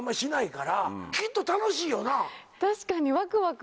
確かに。